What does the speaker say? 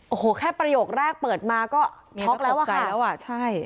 โอ้โหแค่ประโยคแรกเปิดมาก็ช็อคแล้วค่ะ